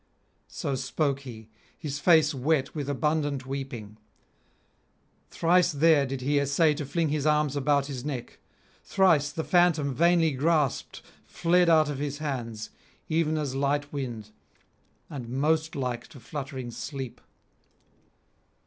So spoke he, his face wet with abundant weeping. Thrice there did he essay to fling his arms about his neck; thrice the phantom vainly grasped fled out of his hands even as light wind, and most like to fluttering sleep.